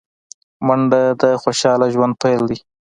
منډه د خوشال ژوند پيل دی